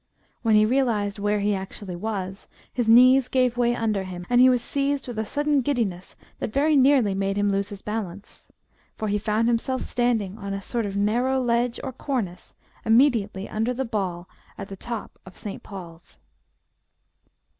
When he realised where he actually was, his knees gave way under him, and he was seized with a sudden giddiness that very nearly made him lose his balance. For he found himself standing on a sort of narrow ledge or cornice immediately under the ball at the top of St. Paul's.